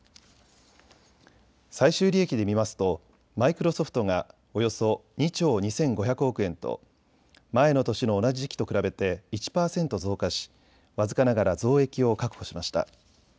最終利益で見ますとマイクロソフトがおよそ２兆２５００億円と前の年の同じ時期と比べて１％増加し僅かながら増益を確保しました。